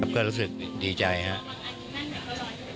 ก็รู้สึกดีใจครับ